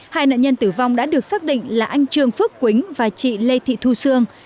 hai nạn nhân tử vong đã được xác định là anh trương phước quý và chị lê thị thu sương